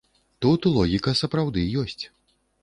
Тут логіка сапраўды ёсць.